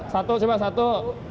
satu coba satu